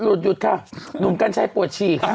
เอ๊หลุดหยุดค่ะหนุ่มกันใช้ปวดฉี่ค่ะ